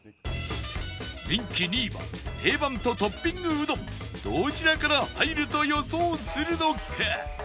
人気２位は定番とトッピングうどんどちらから入ると予想するのか？